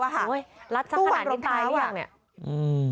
ลัดชั้นขนาดนี้ตายหรือยังตู้วางรองเท้าอ่ะอืม